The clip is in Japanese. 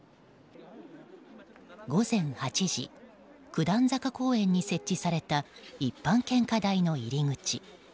午前８時九段坂公園に設置された一般献花台の入り口。